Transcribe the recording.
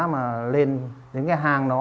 mà lên đến cái hang đó